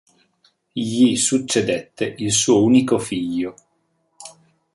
Gli succedette il suo unico figlio.